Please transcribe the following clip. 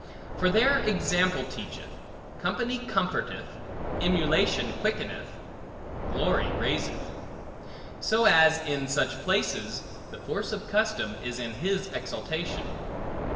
For there example teacheth, company comforteth, emulation quickeneth, glory raiseth: so as in such places the force of custom is in his exaltation.